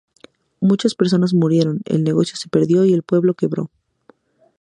Muchas personas murieron, el negocio se perdió, y el pueblo quebró.